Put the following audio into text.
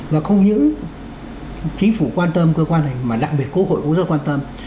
và không những chính phủ quan tâm cơ quan này mà đặc biệt quốc hội cũng rất quan tâm